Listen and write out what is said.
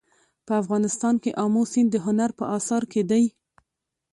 په افغانستان کې آمو سیند د هنر په اثار کې دی.